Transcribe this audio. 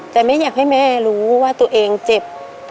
แต่ไม่อยากให้แม่รู้ว่าตัวเองเจ็บ